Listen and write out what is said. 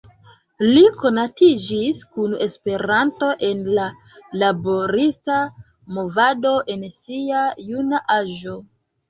Li konatiĝis kun Esperanto en la laborista movado en sia juna aĝo.